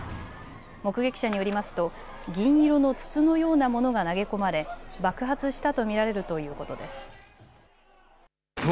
目撃者によりますと銀色の筒のようなものが投げ込まれ爆発したと見られるということです。